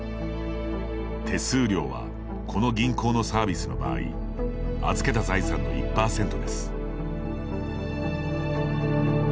手数料はこの銀行のサービスの場合預けた財産の１％です。